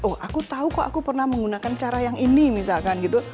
oh aku tahu kok aku pernah menggunakan cara yang ini misalkan gitu